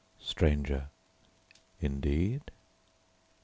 STRANGER: Indeed?